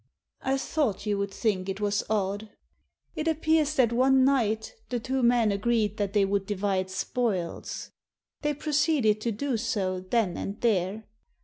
"I thought you would think it was odd. It appears that one night the two men agreed that they would divide spoils. They proceeded to do so then and there.